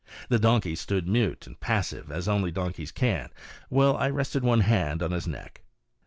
The donkey stood mute and passive, as only donkeys can, while I rested one hand on his neck.